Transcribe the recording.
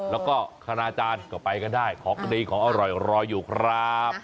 แล้วก็คณาจารย์ก็ไปกันได้ของดีของอร่อยรออยู่ครับ